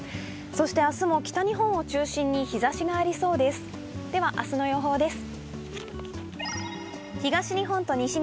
明日も北日本を中心に日ざしがありそうです。